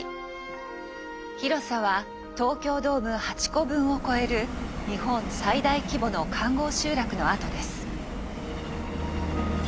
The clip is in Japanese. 広さは東京ドーム８個分を超える日本最大規模の環濠集落の跡です。